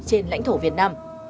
trên lãnh thổ việt nam